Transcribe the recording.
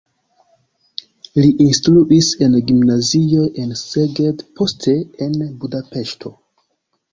Li instruis en gimnazioj en Szeged, poste en Budapeŝto.